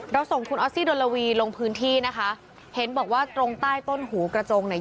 ส่งคุณออสซี่ดลวีลงพื้นที่นะคะเห็นบอกว่าตรงใต้ต้นหูกระจงเนี่ย